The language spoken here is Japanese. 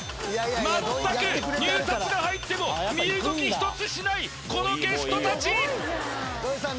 全く入札が入っても身動きひとつしないこのゲストたち土井さん